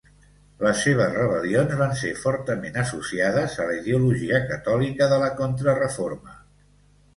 Les seves rebel·lions van ser fortament associades a la ideologia catòlica de la Contrareforma.